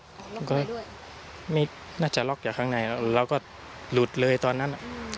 ล็อกไปด้วยไม่น่าจะล็อกอย่างข้างในแล้วแล้วก็หลุดเลยตอนนั้นอืม